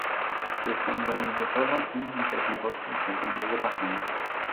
Jestem do nich gotowa i z niecierpliwością czekam na debatę